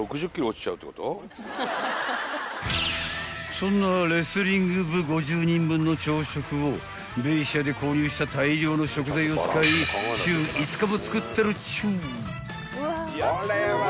［そんなレスリング部５０人分の朝食をベイシアで購入した大量の食材を使い週５日も作ってるっちゅう］